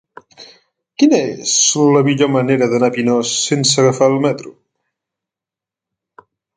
Quina és la millor manera d'anar a Pinós sense agafar el metro?